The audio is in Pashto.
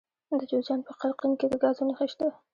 د جوزجان په قرقین کې د ګازو نښې شته.